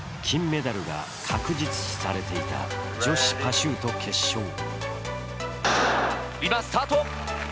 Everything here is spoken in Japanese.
金メダルが確実視されていた女子パシュート決勝。